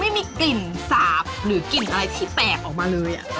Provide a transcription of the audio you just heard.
ไม่มีกลิ่นสาบหรือกลิ่นอะไรที่แตกออกมาเลย